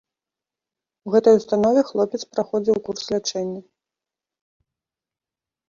У гэтай установе хлопец праходзіў курс лячэння.